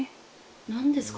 何ですか？